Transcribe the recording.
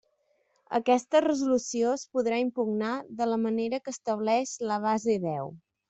Aquesta resolució es podrà impugnar de la manera que estableix la base deu.